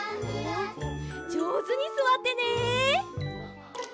じょうずにすわってね！